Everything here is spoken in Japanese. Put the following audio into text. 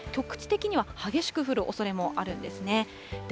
局地的には激しく降るおそれもあるんですね。